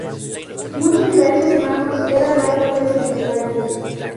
Muchos de esos mangos eran árboles centenarios.